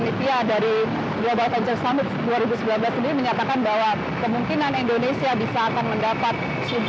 dan untuk indonesia sendiri tadi pemerintah dari global venture summit dua ribu sembilan belas sendiri menyatakan bahwa kemungkinan indonesia bisa akan mendapatkan dana dua puluh lima juta usd